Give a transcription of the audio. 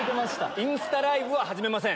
インスタライブは始めません。